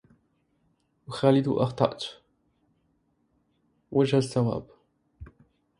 أخالد أخطأت وجه الصواب